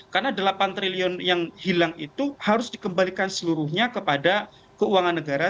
karena delapan triliun yang hilang itu harus dikembalikan seluruhnya kepada keuangan negara